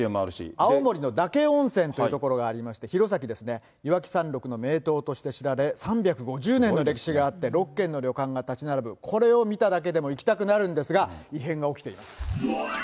青森の嶽温泉というところがありまして、弘前ですね、岩木山麓の名湯として知られ、３５０年の歴史があって、６軒の旅館が建ち並ぶ、これを見ただけでも行きたくなるんですが、異変が起きています。